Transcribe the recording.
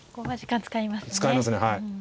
使いますねはい。